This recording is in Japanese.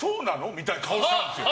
みたいな顔したんですよ。